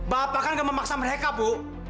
bapak kan gak memaksa mereka bu